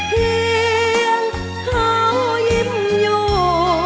เพียงเขายิ้มอยู่